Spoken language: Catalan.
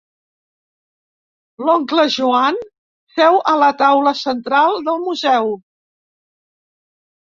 L'oncle Joan seu a la taula central del museu.